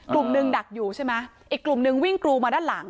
กลุ่มหนึ่งดักอยู่ใช่ไหมอีกกลุ่มนึงวิ่งกรูมาด้านหลัง